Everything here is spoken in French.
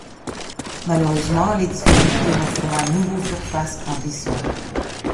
Malheureusement, les difficultés refont à nouveau surface en décembre.